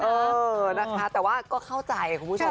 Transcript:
เออนะคะแต่ว่าก็เข้าใจคุณผู้ชม